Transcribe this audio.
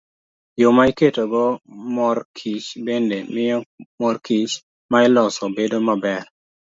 Yo ma iketogo mor kich bende miyo mor kich ma iloso bedo maber.